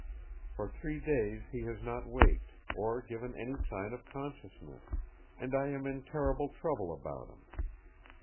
For three days he has not waked, or given any sign of consciousness; and I am in terrible trouble about him.